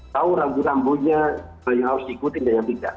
tahu rambu rambunya yang harus diikutin dan yang tidak